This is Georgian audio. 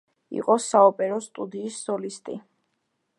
იყო საოპერო სტუდიის სოლისტი.